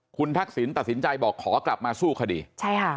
คุณทักษิณตัดสินใจบอกขอกลับมาสู้คดีใช่ค่ะ